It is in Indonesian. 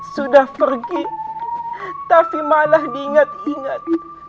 sudah pergi tapi malah diingat ingat